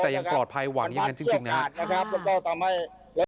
แต่ยังปลอดภัยหวังอย่างนั้นจริงนะครับ